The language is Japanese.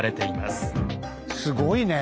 すごいね。